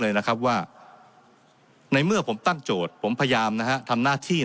เลยนะครับว่าในเมื่อผมตั้งโจทย์ผมพยายามนะฮะทำหน้าที่